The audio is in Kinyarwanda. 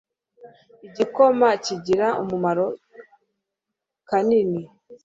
igikoma kigira amamaro kanini